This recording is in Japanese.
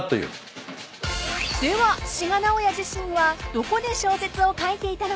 ［では志賀直哉自身はどこで小説を書いていたのか］